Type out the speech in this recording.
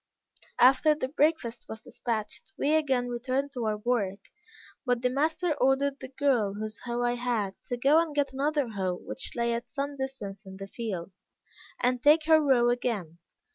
After the breakfast was despatched, we again returned to our work; but the master ordered the girl, whose hoe I had, to go and get another hoe which lay at some distance in the field, and take her row again.